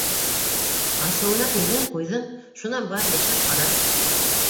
Асыуына тейҙең- ҡуйҙың, шунан бар, йәшәп ҡара!